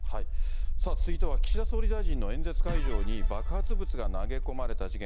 さあ、続いては岸田総理大臣の演説会場に爆発物が投げ込まれた事件。